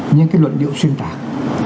những cái luận điệu xuyên tạc